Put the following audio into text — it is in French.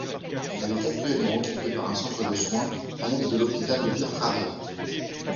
Elle est actuellement occupée par un centre de soins, annexe de l'hôpital de Bir-Traria.